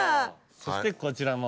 そしてこちらも。